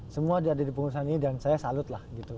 semua ada di pengurusan ini dan saya salut lah gitu